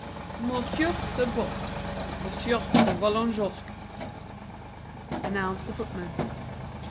"Monsieur de Boves, Monsieur de Vallagnosc," announced the footman.